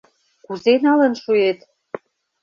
— Кузе налын шуэт?